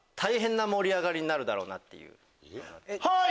はい！